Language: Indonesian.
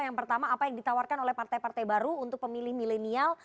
yang pertama apa yang ditawarkan oleh partai partai baru untuk pemilih milenial